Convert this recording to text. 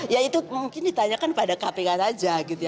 ya itu mungkin ditanyakan pada kpk saja gitu ya